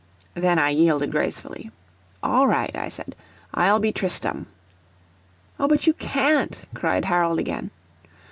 Then I yielded gracefully. "All right," I said. "I'll be Tristram." "O, but you can't," cried Harold again.